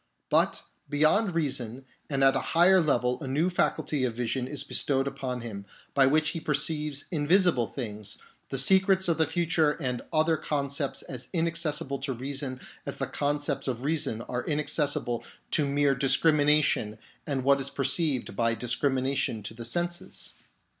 But beyond reason and at a higher level a new faculty of vision is bestowed upon him, by which he perceives invisible things, the secrets of the future and other concepts as inaccessible to reason as the concepts of reason are inaccessible to mere discrimination and what is perceived by discrimination to the senses.